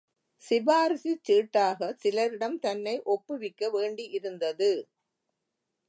சிபாரிசுச் சீட்டாக சிலரிடம் தன்னை ஒப்புவிக்க வேண்டியிருந்தது.